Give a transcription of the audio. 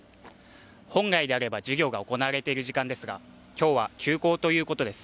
本来であれば授業が行われている時間ですが、今日は休校ということです。